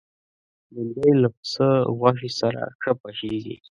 بېنډۍ له پسه غوښې سره ښه پخېږي